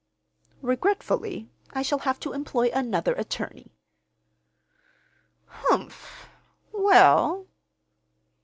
"Regretfully I shall have to employ another attorney." "Humph! Well?"